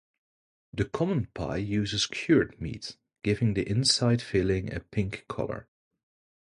The common pie uses cured meat, giving the inside filling a pink colour.